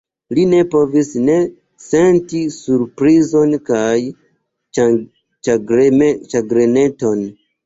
Li ne povis ne senti surprizon kaj ĉagreneton.